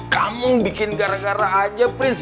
kamu bikin gara gara aja prince